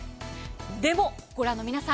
でも、ご覧の皆さん